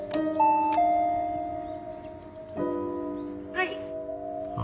「はい」。